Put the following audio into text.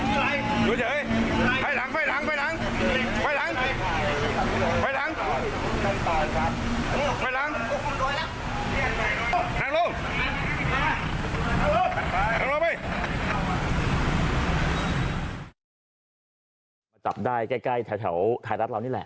จำรวจตามล่ามาจับได้ใกล้แถวแถวท้ายรัฐเรานี่แหละ